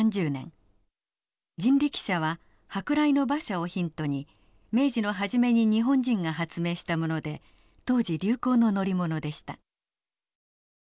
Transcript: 人力車は舶来の馬車をヒントに明治の初めに日本人が発明したもので当時流行の乗り物でした。